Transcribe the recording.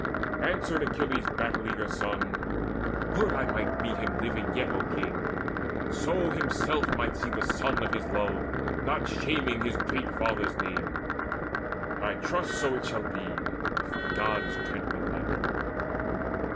Answered Achilles' battle eager son: "Would I might meet him living yet, O King, That so himself might see the son of his love Not shaming his great father's name. I trust So shall it be, if the Gods grant me life."